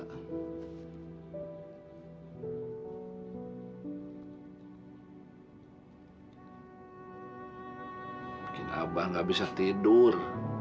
mungkin abah nggak bisa tidur